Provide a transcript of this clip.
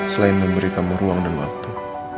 selain memberi kamu ruang dan waktu